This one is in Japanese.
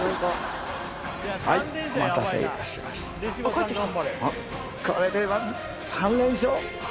帰ってきた。